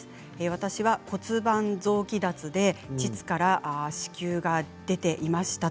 私は骨盤臓器脱で膣から子宮が出ていました。